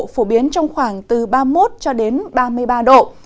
phổ biến trong khoảng từ ba mươi một cho đến ba mươi ba độ